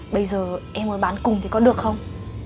bây giờ em có bán cùng thì có được không